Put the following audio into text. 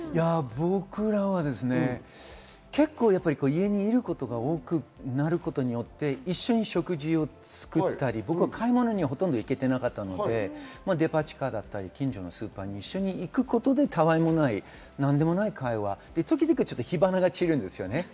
僕らは家にいることが多くなることによって、一緒に食事を作ったり、買い物にはほとんど行けていなかったので、デパ地下だったり近所のスーパーに一緒に行くことでたわいもない会話、時々火花が散るんです。